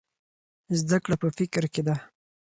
زده کړه په فکر کې ده.